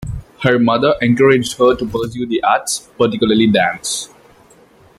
Her mother encouraged her to pursue the arts, particularly dance.